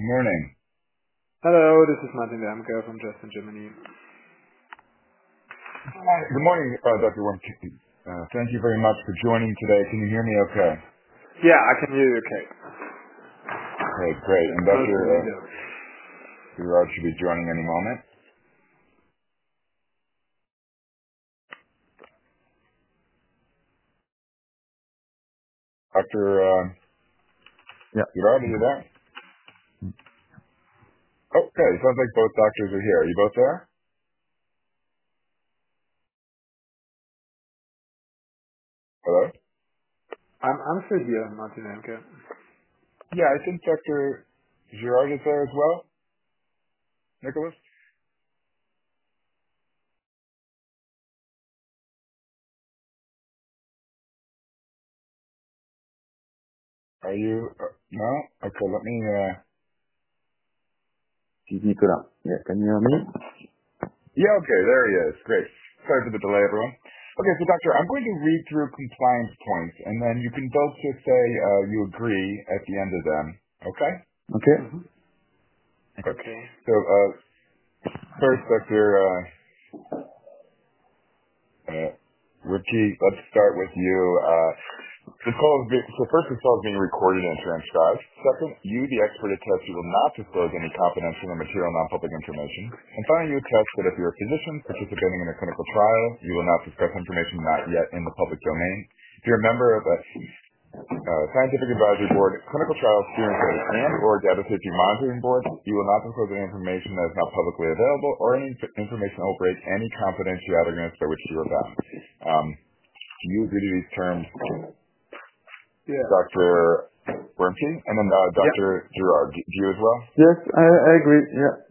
Good morning. Hello. This is Martin Wermke from Dresden, Germany. Good morning, Dr. Wermke. Thank you very much for joining today. Can you hear me okay? Yeah, I can hear you okay. Okay, great. Dr. I believe you do. You're about to be joining any moment, Dr. Yeah. You're about to be there. Okay. It sounds like both doctors are here. Are you both there? Hello? I'm still here. Martin Wermke. Yeah, I think Dr. Girard is there as well. Nicolas? Are you? No? Okay. It's Nicolas. Yeah. Can you hear me? Yeah, okay. There he is. Great. Sorry for the delay, everyone. Okay. So, Doctors, I'm going to read through compliance points, and then you can both just say you agree at the end of them. Okay? Okay. Okay. First, Dr. Wermke, let's start with you. First, this call is being recorded and transcribed. Second, you, the expert, attest you will not disclose any confidential or material nonpublic information. Finally, you attest that if you're a physician participating in a clinical trial, you will not discuss information not yet in the public domain. If you're a member of a scientific advisory board, clinical trial steering committee, and/or data safety monitoring board, you will not disclose any information that is not publicly available or any information that will break any confidentiality agreements by which you are bound. Do you agree to these terms, Dr. Wermke? Dr. Girard, do you as well? Yes, I agree. Yeah.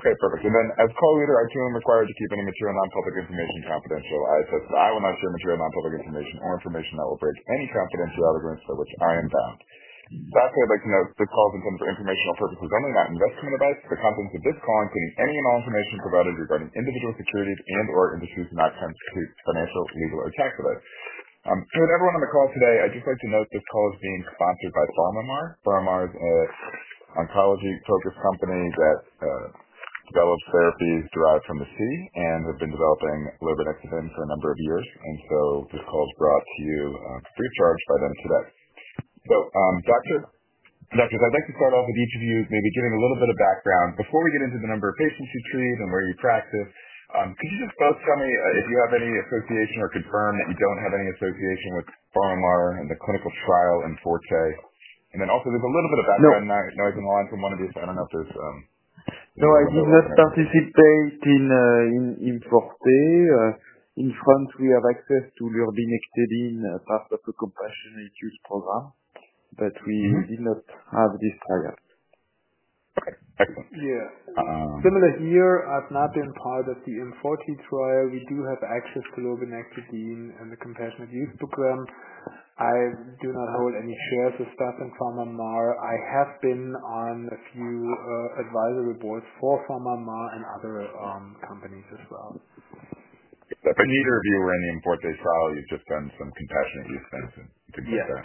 Okay. Perfect. As call leader, I too am required to keep any material nonpublic information confidential. I attest that I will not share material nonpublic information or information that will break any confidentiality agreements by which I am bound. Lastly, I'd like to note this call is intended for informational purposes only, not investment advice. The contents of this call, including any and all information provided regarding individual securities and/or institutional accounts, do not include financial, legal, or tax advice. To everyone on the call today, I'd just like to note this call is being sponsored by PharmaMar. PharmaMar is an oncology-focused company that develops therapies derived from the sea and has been developing lurbinectedin for a number of years. This call is brought to you free of charge by them today. Doctors, I'd like to start off with each of you maybe giving a little bit of background before we get into the number of patients you treat and where you practice. Could you just both tell me if you have any association or confirm that you don't have any association with PharmaMar and the clinical trial in IMforte? Also, there's a little bit of background noise in the line from one of you, so I don't know if there's. No, I did not participate in IMforte. In France, we have access to lurbinectedin in part of the compassionate use program, but we did not have this trial. Okay. Excellent. Yeah. Similar here, I've not been part of the IMforte trial. We do have access to lurbinectedin in the compassionate use program. I do not hold any shares or stuff in PharmaMar. I have been on a few advisory boards for PharmaMar and other companies as well. Neither of you were in the IMforte trial. You've just done some compassionate use things and things like that.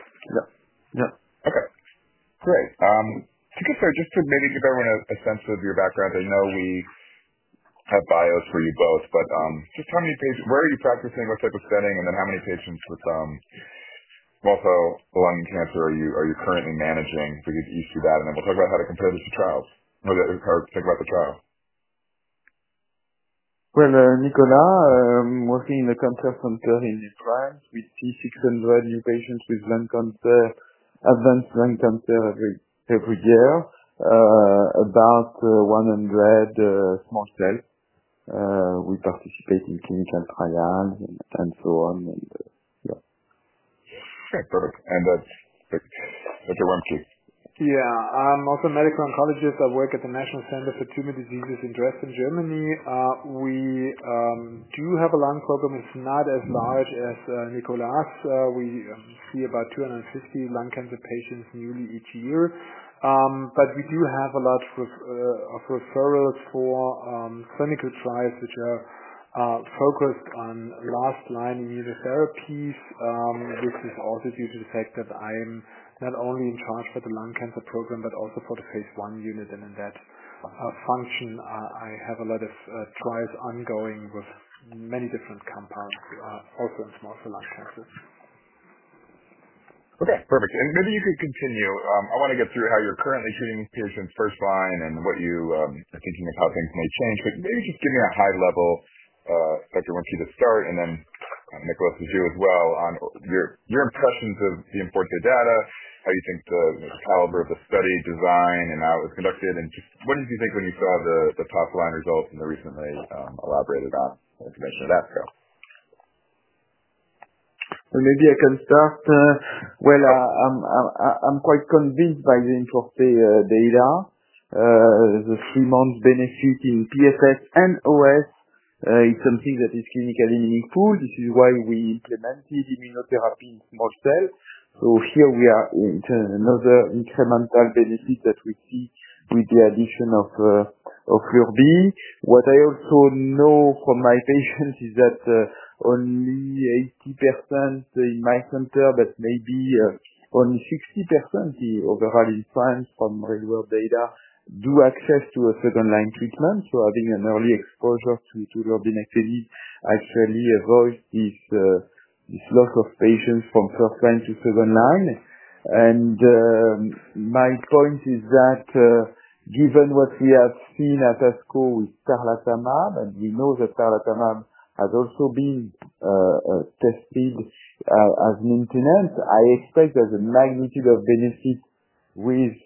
Yeah. Okay. Great. To get started, just to maybe give everyone a sense of your background, I know we have bios for you both, but just how many patients, where are you practicing, what type of setting, and then how many patients with also lung cancer are you currently managing? We could each do that, and then we'll talk about how to compare this to trials or think about the trial. I'm Dr. Nicolas, I'm working in the cancer center in France. We see 600 new patients with lung cancer, advanced lung cancer every year, about 100 small cells. We participate in clinical trials and so on. Okay. Perfect. And now Dr. Wermke. Yeah. I'm also a medical oncologist. I work at the National Center for Tumor Diseases in Dresden, Germany. We do have a lung program. It's not as large as Nicolas's. We see about 250 lung cancer patients newly each year. We do have a lot of referrals for clinical trials which are focused on last-line immunotherapies. This is also due to the fact that I'm not only in charge for the lung cancer program but also for the phase I unit. In that function, I have a lot of trials ongoing with many different compounds, also in small cell lung cancers. Okay. Perfect. Maybe you could continue. I want to get through how you're currently treating patients first line and what you are thinking of how things may change. Maybe just give me a high-level, Dr. Wermke, to start, and then Nicolas, it's you as well on your impressions of the IMforte data, how you think the caliber of the study design and how it was conducted, and just what did you think when you saw the top-line results and the recently elaborated on information. How did that go? Maybe I can start. I'm quite convinced by the IMforte data. The three-month benefit in PFS and OS is something that is clinically meaningful. This is why we implemented immunotherapy in small cell. Here, we are in another incremental benefit that we see with the addition of lurbinectedin. What I also know from my patients is that only 80% in my center, but maybe only 60% overall in France from real-world data do access a second-line treatment. Having an early exposure to lurbinectedin actually avoids this loss of patients from first line to second line. My point is that given what we have seen at ASCO with tarlatamab, and we know that tarlatamab has also been tested as maintenance, I expect that the magnitude of benefit with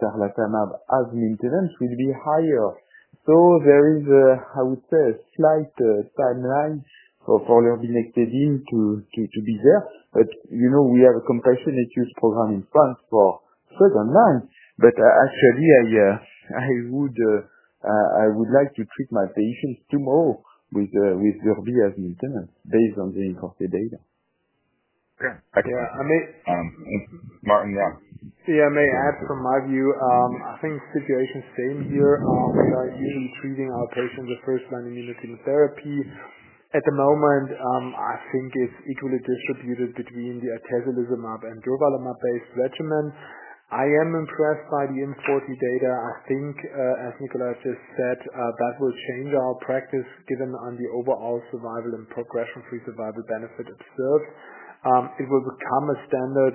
tarlatamab as maintenance will be higher. There is, I would say, a slight timeline for lurbinectedin to be there. We have a compassionate use program in France for second line. Actually, I would like to treat my patients tomorrow with lurbinectedin as maintenance based on the IMforte data. Okay. Excellent. Martin, yeah. Yeah, may I add from my view? I think the situation's the same here. We are usually treating our patients with first-line immunotherapy. At the moment, I think it's equally distributed between the atezolizumab and durvalumab-based regimen. I am impressed by the IMforte data. I think, as Nicolas just said, that will change our practice given on the overall survival and progression-free survival benefit observed. It will become a standard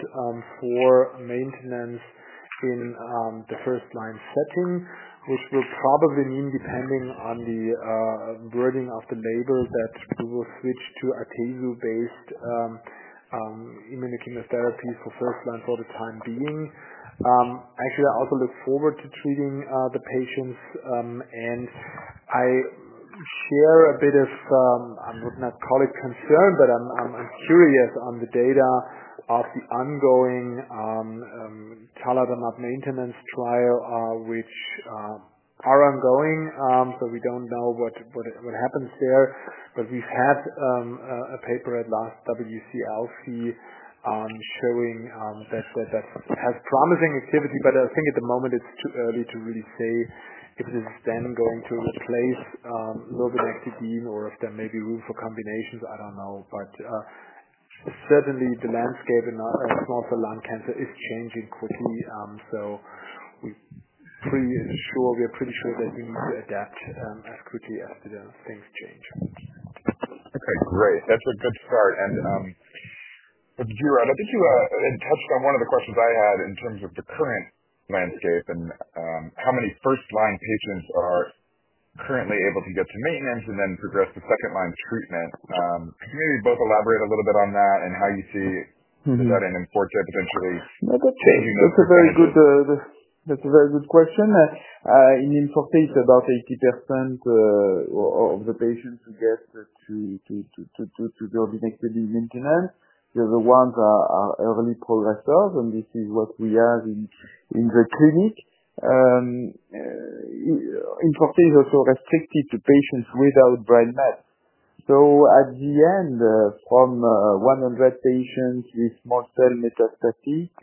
for maintenance in the first-line setting, which will probably mean, depending on the burden of the labor, that we will switch to atezolizumab-based immunochemotherapy for first line for the time being. Actually, I also look forward to treating the patients, and I share a bit of—I would not call it concern, but I'm curious on the data of the ongoing tarlatamab maintenance trials, which are ongoing. We don't know what happens there. We've had a paper at last WCLC showing that that has promising activity. I think at the moment, it's too early to really say if this is then going to replace lurbinectedin or if there may be room for combinations. I don't know. Certainly, the landscape in small cell lung cancer is changing quickly. We're pretty sure that we need to adapt as quickly as things change. Okay. Great. That's a good start. Girard, I think you touched on one of the questions I had in terms of the current landscape and how many first-line patients are currently able to get to maintenance and then progress to second-line treatment. Could you maybe both elaborate a little bit on that and how you see that in IMforte potentially changing the situation? No, that's a very good question. In IMforte, it's about 80% of the patients who get to lurbinectedin maintenance. The other ones are early progressors, and this is what we have in the clinic. IMforte is also restricted to patients without brain mets. At the end, from 100 patients with small cell metastatic,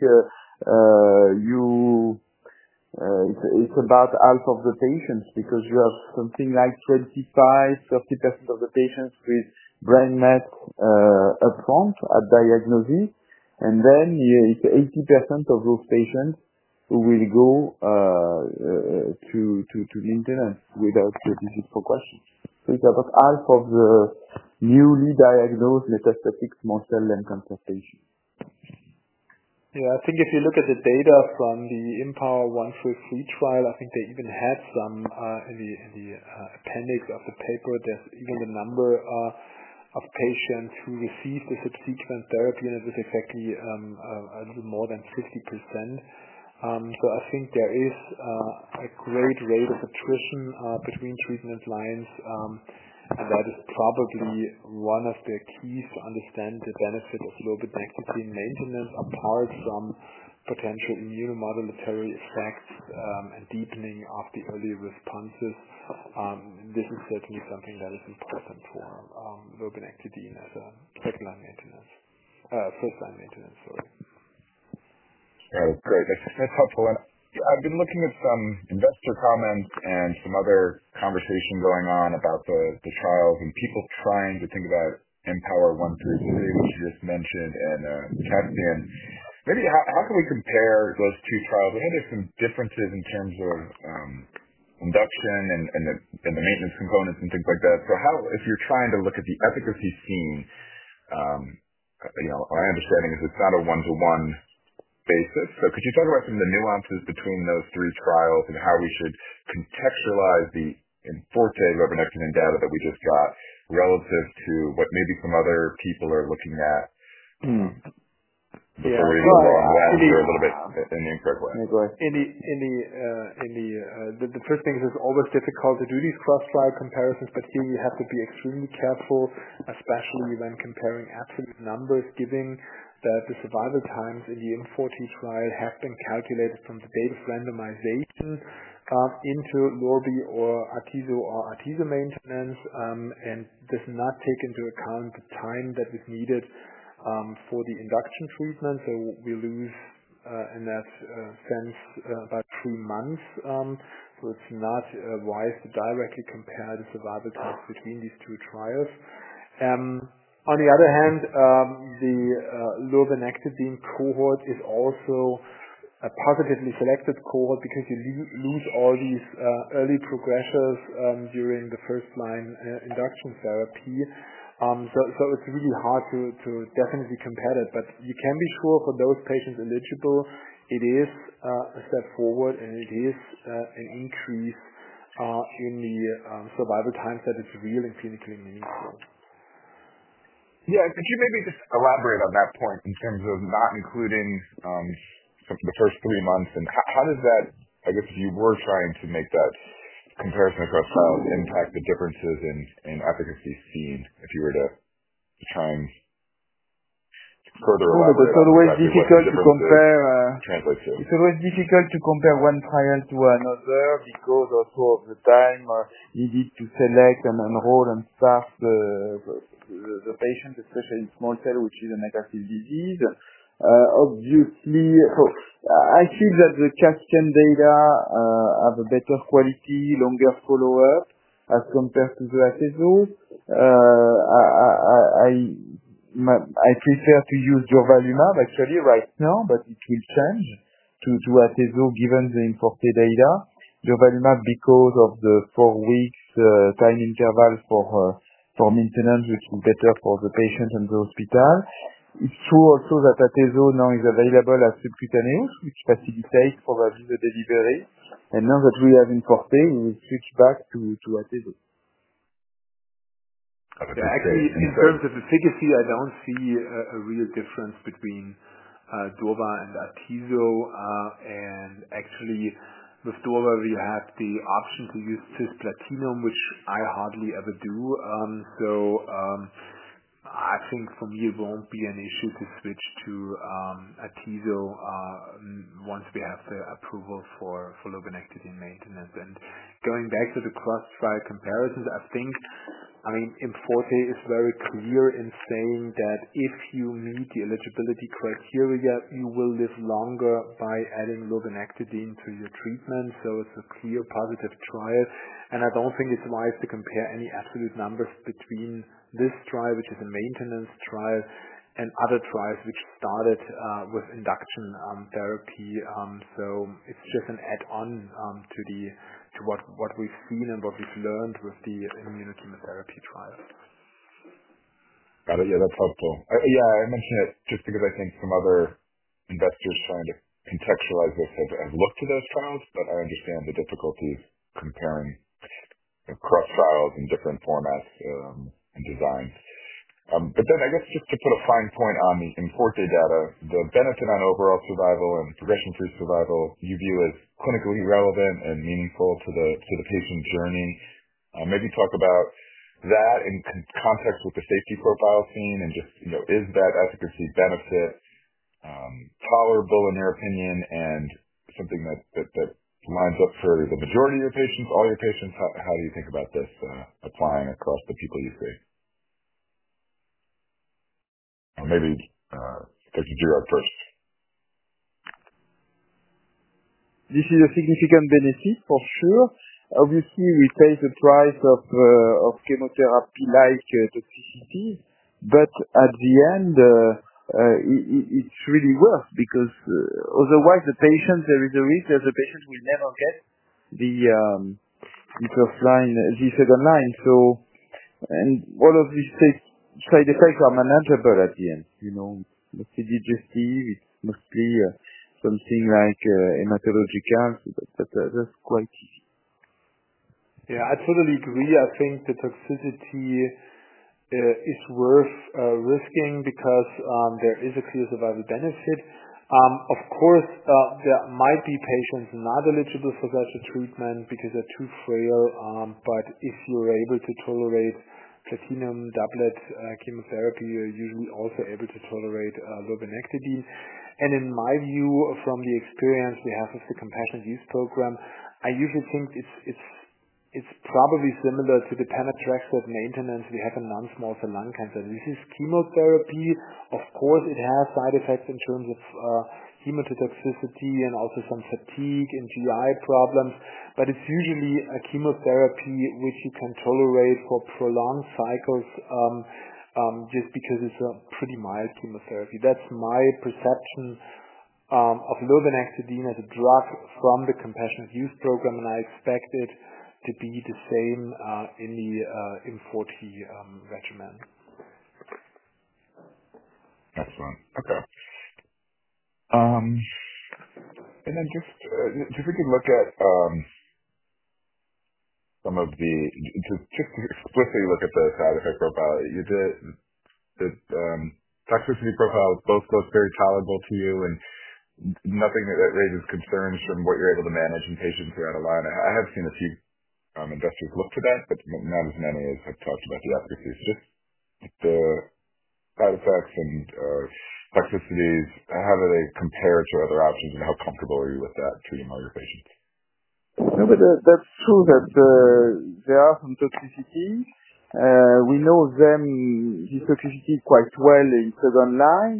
it's about half of the patients because you have something like 25%-30% of the patients with brain mets upfront at diagnosis. Then it's 80% of those patients who will go to maintenance without the disease progression. It's about half of the newly diagnosed metastatic small cell lung cancer patients. Yeah. I think if you look at the data from the IMpower133 trial, I think they even had some in the appendix of the paper. There's even the number of patients who received the subsequent therapy, and it was exactly a little more than 50%. I think there is a great rate of attrition between treatment lines, and that is probably one of the keys to understand the benefit of lurbinectedin maintenance apart from potential immunomodulatory effects and deepening of the early responses. This is certainly something that is important for lurbinectedin as a second-line maintenance, first-line maintenance, sorry. Got it. Great. That's helpful. I've been looking at some investor comments and some other conversation going on about the trials and people trying to think about IMpower133, which you just mentioned, and CASPIAN. Maybe how can we compare those two trials? I know there's some differences in terms of induction and the maintenance components and things like that. If you're trying to look at the efficacy scene, my understanding is it's not a one-to-one basis. Could you talk about some of the nuances between those three trials and how we should contextualize the IMforte lurbinectedin data that we just got relative to what maybe some other people are looking at before we go on that or a little bit in the incorrect way? In the first thing, it's always difficult to do these cross-trial comparisons, but here you have to be extremely careful, especially when comparing absolute numbers, given that the survival times in the IMforte trial have been calculated from the date of randomization into lurbi or atezo or atezo maintenance and does not take into account the time that is needed for the induction treatment. So we lose, in that sense, about three months. It's not wise to directly compare the survival times between these two trials. On the other hand, the lurbinectedin cohort is also a positively selected cohort because you lose all these early progressors during the first-line induction therapy. It's really hard to definitely compare it. You can be sure for those patients eligible, it is a step forward, and it is an increase in the survival times that is real and clinically meaningful. Yeah. Could you maybe just elaborate on that point in terms of not including the first three months? And how does that, I guess, if you were trying to make that comparison across trials, impact the differences in efficacy seen if you were to try and further elaborate? The way it's difficult to compare. Translate to? It's always difficult to compare one trial to another because also of the time needed to select and enroll and staff the patients, especially in small cell, which is a negative disease. Obviously, so I feel that the CASPIAN data have a better quality, longer follow-up as compared to the atezo. I prefer to use durvalumab, actually, right now, but it will change to atezo given the IMforte data. Durvalumab, because of the four-week time interval for maintenance, which is better for the patient and the hospital. It's true also that atezolizumab now is available as subcutaneous, which facilitates probably the delivery. Now that we have IMforte, we will switch back to atezo. Actually, in terms of efficacy, I don't see a real difference between durva and atezo. And actually, with durva, we have the option to use cisplatin, which I hardly ever do. So I think for me, it won't be an issue to switch to atezo once we have the approval for lurbinectedin maintenance. And going back to the cross-trial comparisons, I think, I mean, IMforte is very clear in saying that if you meet the eligibility criteria, you will live longer by adding lurbinectedin to your treatment. So it's a clear positive trial. And I don't think it's wise to compare any absolute numbers between this trial, which is a maintenance trial, and other trials which started with induction therapy. So it's just an add-on to what we've seen and what we've learned with the immunochemotherapy trial. Got it. Yeah, that's helpful. Yeah, I mentioned it just because I think some other investors trying to contextualize this have looked to those trials, but I understand the difficulties comparing cross-trials in different formats and designs. I guess, just to put a fine point on the IMforte data, the benefit on overall survival and progression-free survival, you view as clinically relevant and meaningful to the patient journey. Maybe talk about that in context with the safety profile seen and just is that efficacy benefit tolerable in your opinion and something that lines up for the majority of your patients, all your patients? How do you think about this applying across the people you see? Maybe Dr. Girard first. This is a significant benefit, for sure. Obviously, we pay the price of chemotherapy-like toxicities. At the end, it's really worse because otherwise, the patient, there is a risk that the patient will never get the first line, the second line. All of these side effects are manageable at the end. It's mostly digestive. It's mostly something like hematological, but that's quite easy. Yeah, I totally agree. I think the toxicity is worth risking because there is a clear survival benefit. Of course, there might be patients not eligible for such a treatment because they're too frail. If you're able to tolerate platinum doublet chemotherapy, you're usually also able to tolerate lurbinectedin. In my view, from the experience we have of the compassionate use program, I usually think it's probably similar to the pemetrexed maintenance we have in non-small cell lung cancer. This is chemotherapy. Of course, it has side effects in terms of hematotoxicity and also some fatigue and GI problems. It's usually a chemotherapy which you can tolerate for prolonged cycles just because it's a pretty mild chemotherapy. That's my perception of lurbinectedin as a drug from the compassionate use program, and I expect it to be the same in the IMforte regimen. Excellent. Okay. If we could look at some of the, just explicitly look at the side effect profile. The toxicity profile both look very tolerable to you, and nothing that raises concerns from what you're able to manage in patients who are on the line. I have seen a few investors look to that, but not as many as have talked about the efficacy. Just the side effects and toxicities, how do they compare to other options, and how comfortable are you with that treating all your patients? No, but that's true that there are some toxicities. We know them toxicity quite well in second line,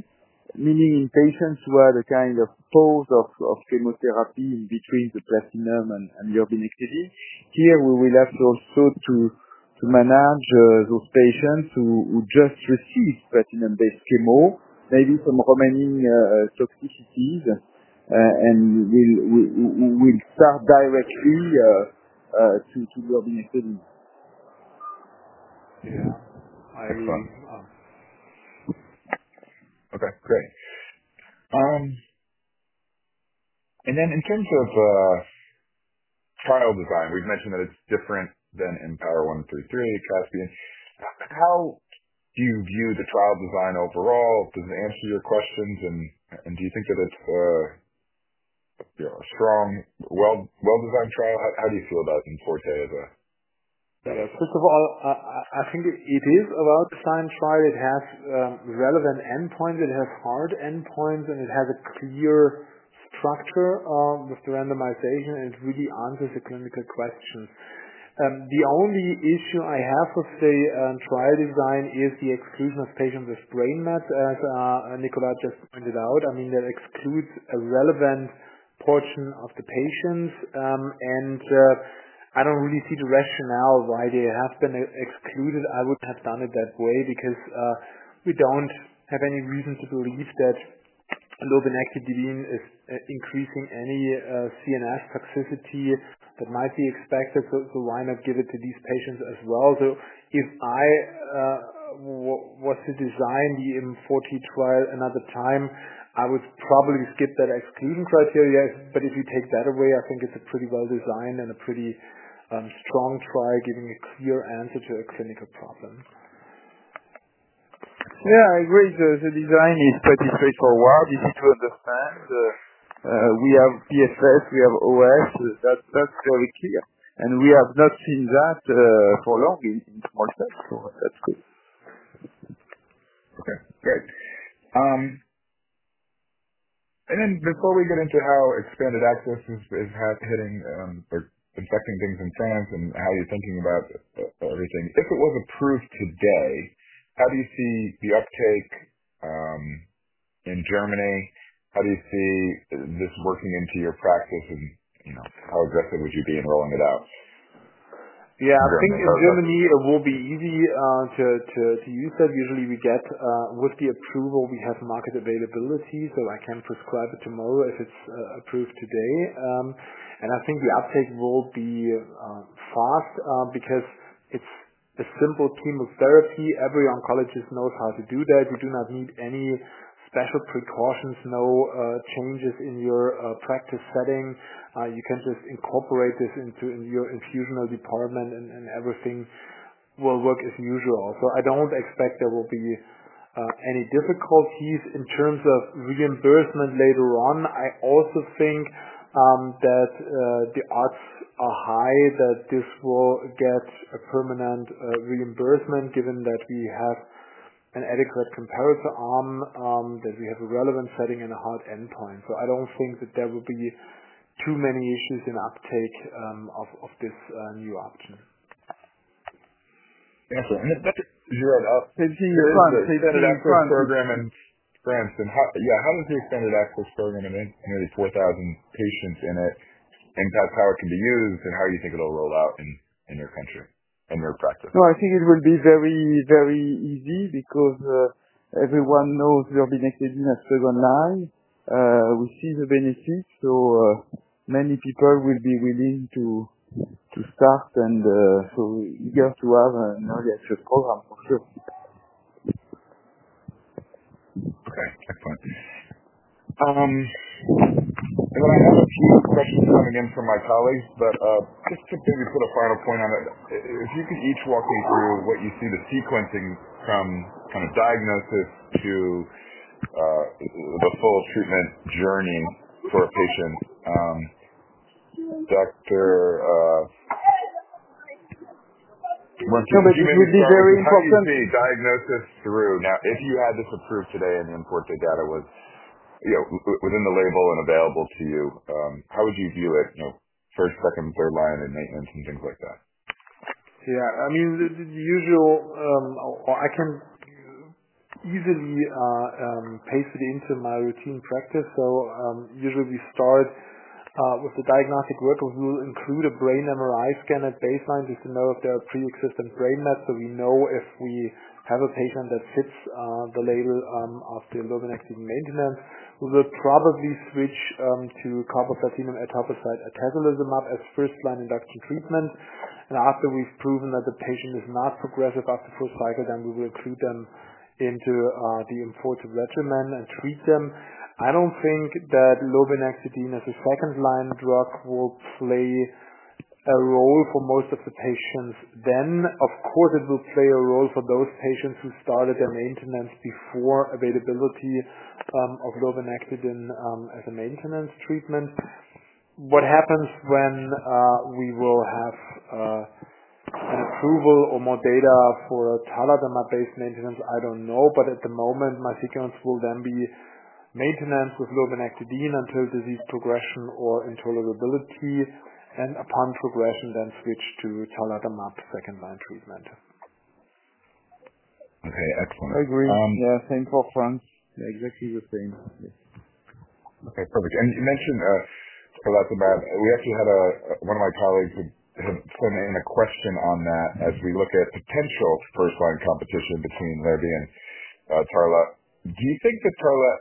meaning in patients who are the kind of post of chemotherapy in between the platinum and lurbinectedin. Here, we will have to also manage those patients who just received platinum-based chemo, maybe some remaining toxicities, and we'll start directly to lurbinectedin. Yeah. I agree. Excellent. Okay. Great. In terms of trial design, we've mentioned that it's different than IMpower133, CASPIAN. How do you view the trial design overall? Does it answer your questions, and do you think that it's a strong, well-designed trial? How do you feel about IMforte as a? First of all, I think it is a well-designed trial. It has relevant endpoints. It has hard endpoints, and it has a clear structure with the randomization, and it really answers the clinical questions. The only issue I have with the trial design is the exclusion of patients with brain mets, as Nicolas just pointed out. I mean, that excludes a relevant portion of the patients, and I do not really see the rationale why they have been excluded. I would not have done it that way because we do not have any reason to believe that lurbinectedin is increasing any CNS toxicity that might be expected. Why not give it to these patients as well? If I was to design the IMforte trial another time, I would probably skip that exclusion criteria. If you take that away, I think it's a pretty well-designed and a pretty strong trial giving a clear answer to a clinical problem. Yeah, I agree. The design is pretty straightforward. Easy to understand. We have PFS. We have OS. That's very clear. And we have not seen that for long in small cells. So that's good. Okay. Great. Before we get into how expanded access is hitting or infecting things in France and how you're thinking about everything, if it was approved today, how do you see the uptake in Germany? How do you see this working into your practice, and how aggressive would you be in rolling it out? Yeah. I think in Germany, it will be easy to use that. Usually, we get with the approval, we have market availability, so I can prescribe it tomorrow if it's approved today. I think the uptake will be fast because it's a simple chemotherapy. Every oncologist knows how to do that. You do not need any special precautions, no changes in your practice setting. You can just incorporate this into your infusion department, and everything will work as usual. I don't expect there will be any difficulties in terms of reimbursement later on. I also think that the odds are high that this will get a permanent reimbursement given that we have an adequate comparison arm, that we have a relevant setting, and a hard endpoint. I don't think that there will be too many issues in uptake of this new option. Excellent. And. Expansion in France is a very expensive program in France. Expansion in France. Yeah. How does the expanded access program and the 4,000 patients in it impact how it can be used and how you think it'll roll out in your country and your practice? No, I think it will be very, very easy because everyone knows lurbinectedin as second line. We see the benefits. So many people will be willing to start and so eager to have an early access program, for sure. Okay. Excellent. I have a few questions coming in from my colleagues, but just to maybe put a final point on it, if you could each walk me through what you see the sequencing from kind of diagnosis to the full treatment journey for a patient. Dr. No, but it would be very important. From the diagnosis through. Now, if you had this approved today and the IMforte data was within the label and available to you, how would you view it, first, second, third line in maintenance and things like that? Yeah. I mean, the usual or I can easily paste it into my routine practice. Usually, we start with the diagnostic work. We will include a brain MRI scan at baseline just to know if there are pre-existing brain mets. We know if we have a patient that fits the label of the lurbinectedin maintenance, we will probably switch to carboplatin, etoposide, atezolizumab as first-line induction treatment. After we've proven that the patient is not progressive after the first cycle, we will include them into the IMforte regimen and treat them. I don't think that lurbinectedin as a second-line drug will play a role for most of the patients then. Of course, it will play a role for those patients who started their maintenance before availability of lurbinectedin as a maintenance treatment. What happens when we will have an approval or more data for a tarlatamab-based maintenance, I don't know. At the moment, my sequence will then be maintenance with lurbinectedin until disease progression or intolerability, and upon progression, then switch to tarlatamab second-line treatment. Okay. Excellent. I agree. Yeah. Same for France. Exactly the same. Okay. Perfect. You mentioned tarlatamab. We actually had one of my colleagues who had sent in a question on that as we look at potential first-line competition between lurbinectedin and tarla. Do you think that tarla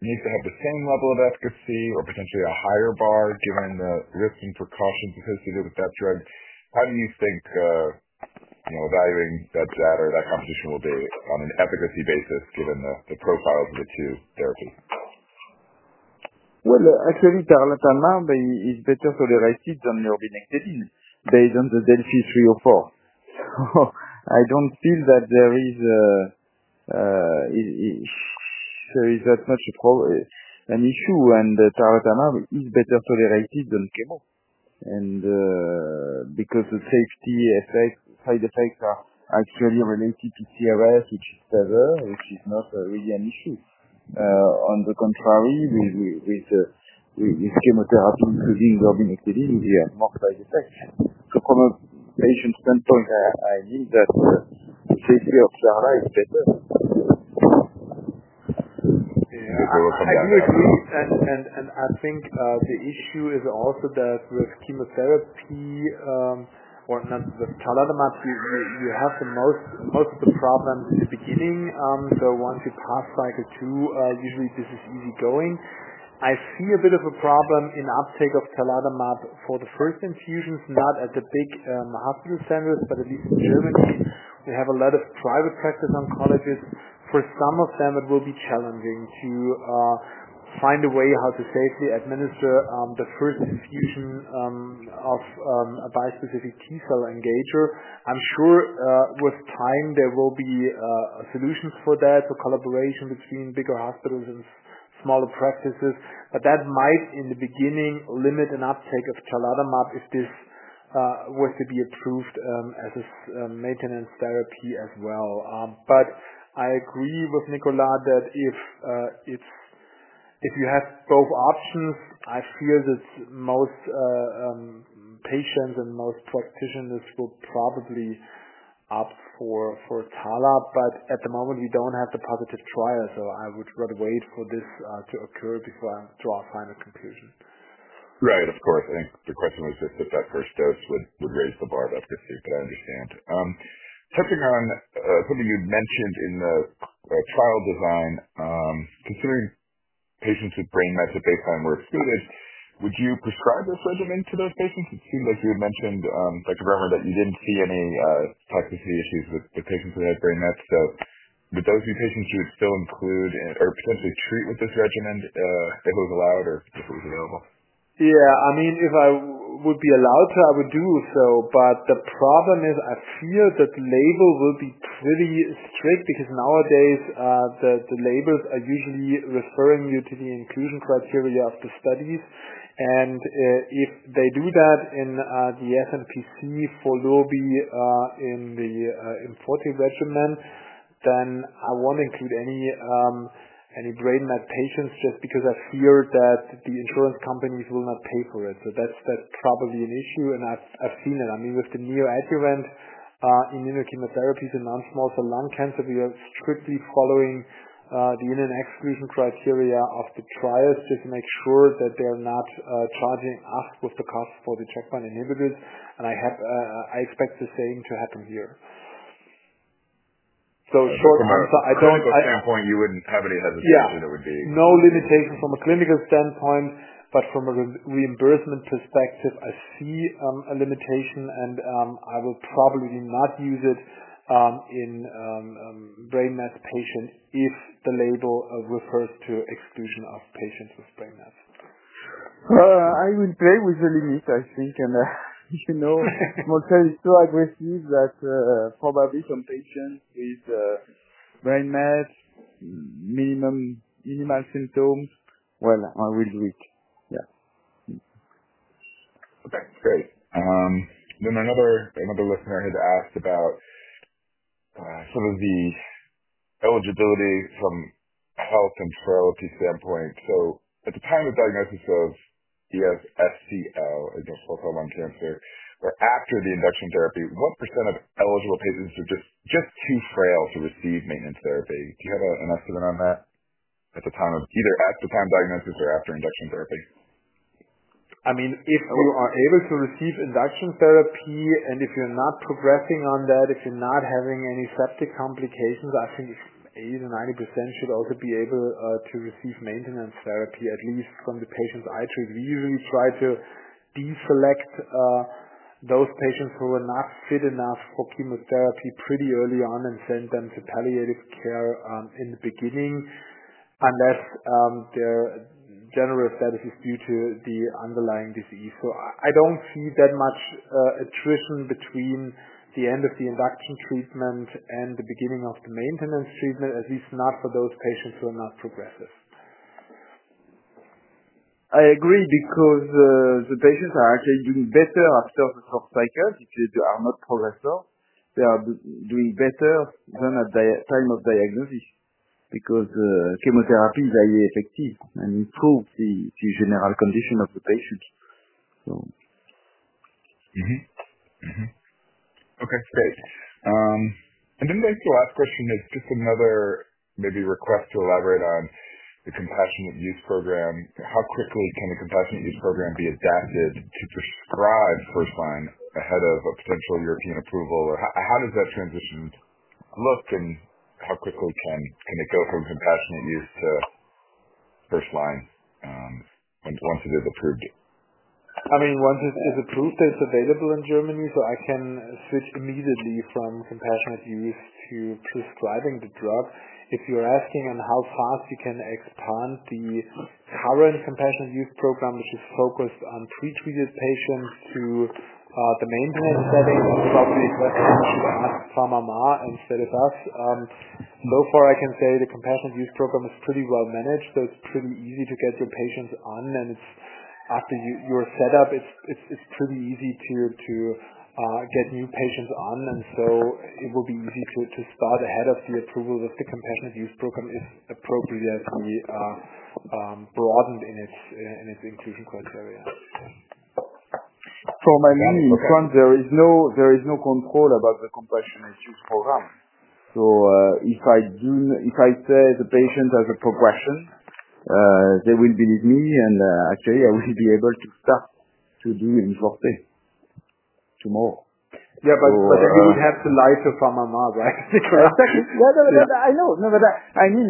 needs to have the same level of efficacy or potentially a higher bar given the risks and precautions associated with that drug? How do you think evaluating that data or that competition will be on an efficacy basis given the profiles of the two therapies? Actually, tarlatamab-based is better tolerated than lurbinectedin based on the DeLLphi-304. I don't feel that there is that much of an issue. Tarlatamab is better tolerated than chemo because the safety side effects are actually related to CRS, which is not really an issue. On the contrary, with chemotherapy including lurbinectedin, we have more side effects. From a patient standpoint, I believe that the safety of tarla is better. Yeah. I can work on that. I do agree. I think the issue is also that with chemotherapy or not with tarlatamab-based, you have most of the problems in the beginning. Once you pass cycle two, usually, this is easygoing. I see a bit of a problem in uptake of tarlatamab for the first infusions, not at the big hospital centers, but at least in Germany, we have a lot of private practice oncologists. For some of them, it will be challenging to find a way how to safely administer the first infusion of a bispecific T-cell engager. I'm sure with time, there will be solutions for that, so collaboration between bigger hospitals and smaller practices. That might, in the beginning, limit an uptake of tarlatamab if this were to be approved as a maintenance therapy as well. I agree with Nicolas that if you have both options, I feel that most patients and most practitioners will probably opt for tarla. At the moment, we don't have the positive trial. I would rather wait for this to occur before I draw a final conclusion. Right. Of course. I think the question was just if that first dose would raise the bar of efficacy, but I understand. Touching on something you'd mentioned in the trial design, considering patients with brain mets at baseline were excluded, would you prescribe this regimen to those patients? It seems like you had mentioned, Dr. Bremer, that you didn't see any toxicity issues with the patients who had brain mets. So would those be patients you would still include or potentially treat with this regimen if it was allowed or if it was available? Yeah. I mean, if I would be allowed to, I would do so. The problem is I feel that the label will be pretty strict because nowadays, the labels are usually referring you to the inclusion criteria of the studies. If they do that in the SmPC for lurbi in the IMforte regimen, then I will not include any brain met patients just because I fear that the insurance companies will not pay for it. That is probably an issue, and I have seen it. I mean, with the neoadjuvant immunochemotherapies in non-small cell lung cancer, we are strictly following the in-and-exclusion criteria of the trials just to make sure that they are not charging us with the cost for the checkpoint inhibitors. I expect the same to happen here. Short answer, I do not. From a clinical standpoint, you wouldn't have any hesitation? It would be. Yeah. No limitation from a clinical standpoint. From a reimbursement perspective, I see a limitation, and I will probably not use it in brain met patients if the label refers to exclusion of patients with brain mets. I will play with the limit, I think. Small cell is so aggressive that probably some patients with brain mets, minimal symptoms. I will do it. Yeah. Okay. Great. Another listener had asked about some of the eligibility from a health and frailty standpoint. At the time of diagnosis of ES-SCLC, extensive-stage small cell lung cancer, or after the induction therapy, what percentage of eligible patients are just too frail to receive maintenance therapy? Do you have an estimate on that at the time of either diagnosis or after induction therapy? I mean, if you are able to receive induction therapy and if you're not progressing on that, if you're not having any septic complications, I think 80%-90% should also be able to receive maintenance therapy at least from the patients I treat. We usually try to deselect those patients who are not fit enough for chemotherapy pretty early on and send them to palliative care in the beginning unless their general status is due to the underlying disease. I don't see that much attrition between the end of the induction treatment and the beginning of the maintenance treatment, at least not for those patients who are not progressive. I agree because the patients are actually doing better after the fourth cycle if they are not progressive. They are doing better than at the time of diagnosis because chemotherapy is highly effective and improves the general condition of the patients. Okay. Great. The next last question is just another maybe request to elaborate on the compassionate use program. How quickly can the compassionate use program be adapted to prescribe first-line ahead of a potential European approval? How does that transition look, and how quickly can it go from compassionate use to first-line once it is approved? I mean, once it is approved, it's available in Germany, so I can switch immediately from compassionate use to prescribing the drug. If you're asking on how fast you can expand the current compassionate use program, which is focused on pretreated patients to the maintenance setting, I'd probably suggest you should ask PharmaMar instead of us. So far, I can say the compassionate use program is pretty well managed. It's pretty easy to get your patients on. After your setup, it's pretty easy to get new patients on. It will be easy to start ahead of the approval of the compassionate use program if appropriately broadened in its inclusion criteria. From my view, in France, there is no control about the compassionate use program. If I say the patient has a progression, they will believe me. Actually, I will be able to start to do IMforte tomorrow. Yeah. But then you would have to lie to PharmaMar, right, Nicolas? No, no, no. I know. No, but I mean,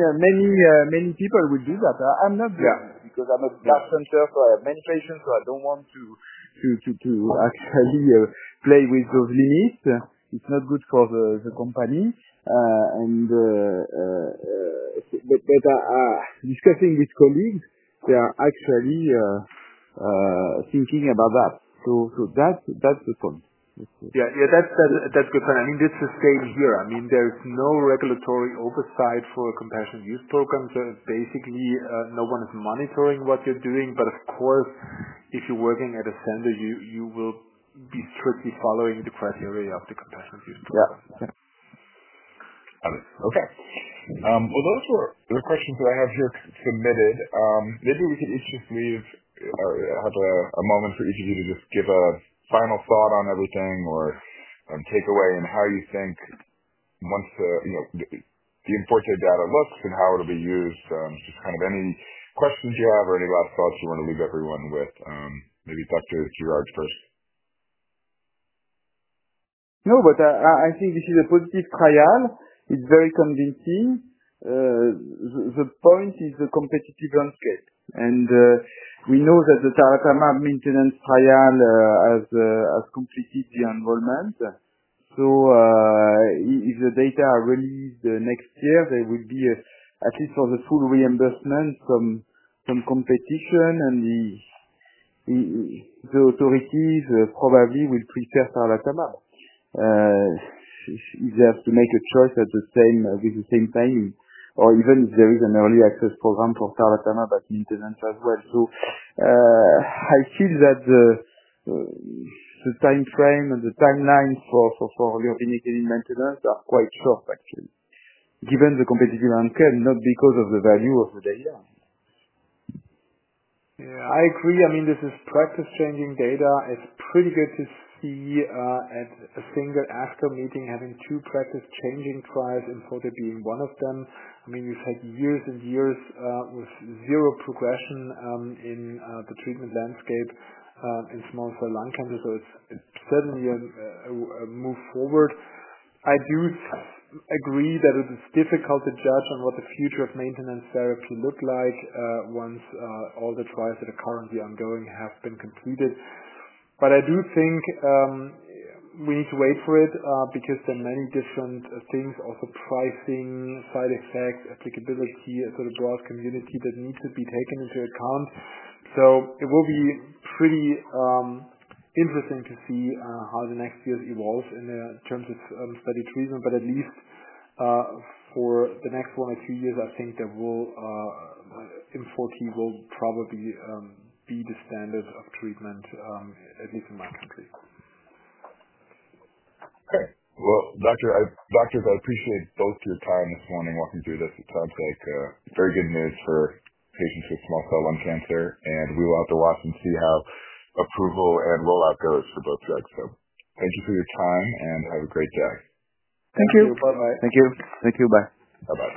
many people will do that. I'm not doing it because I'm at a cancer center, so I have many patients. I don't want to actually play with those limits. It's not good for the company. Discussing with colleagues, they are actually thinking about that. That's the point. Yeah. Yeah. That's good. I mean, this is staying here. I mean, there's no regulatory oversight for a compassionate use program. So basically, no one is monitoring what you're doing. Of course, if you're working at a center, you will be strictly following the criteria of the compassionate use program. Yeah. Yeah. Got it. Okay. Those were the questions that I have here submitted. Maybe we could each just leave or have a moment for each of you to just give a final thought on everything or takeaway and how you think once the IMforte data looks and how it'll be used, just kind of any questions you have or any last thoughts you want to leave everyone with. Maybe Dr. Girard first. No, but I think this is a positive trial. It's very convincing. The point is the competitive landscape. We know that the tarlatamab maintenance trial has completed the enrollment. If the data are released next year, there will be, at least for the full reimbursement, some competition. The authorities probably will prefer tarlatamab if they have to make a choice with the same timing or even if there is an early access program for tarlatamab maintenance as well. I feel that the time frame and the timeline for lurbinectedin maintenance are quite short, actually, given the competitive landscape, not because of the value of the data. Yeah. I agree. I mean, this is practice-changing data. It's pretty good to see at a single after-meeting having two practice-changing trials instead of being one of them. I mean, we've had years and years with zero progression in the treatment landscape in small cell lung cancer. It is certainly a move forward. I do agree that it is difficult to judge on what the future of maintenance therapy looks like once all the trials that are currently ongoing have been completed. I do think we need to wait for it because there are many different things, also pricing, side effects, applicability to the broad community that need to be taken into account. It will be pretty interesting to see how the next years evolve in terms of study treatment. At least for the next one or two years, I think IMforte will probably be the standard of treatment, at least in my country. Okay. Doctors, I appreciate both your time this morning walking through this. It sounds like very good news for patients with small cell lung cancer. We will have to watch and see how approval and rollout goes for both drugs. Thank you for your time, and have a great day. Thank you. Thank you. Bye-bye. Thank you. Thank you. Bye. Bye-bye.